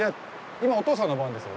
今おとうさんの番ですよね？